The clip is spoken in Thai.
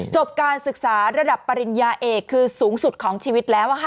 จบการศึกษาระดับปริญญาเอกคือสูงสุดของชีวิตแล้ว